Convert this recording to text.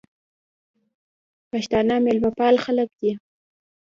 پښتانه مېلمپال خلک دي.